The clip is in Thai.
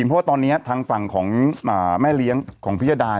เพราะว่าตอนนี้ทางฝั่งของแม่เลี้ยงของพิยดา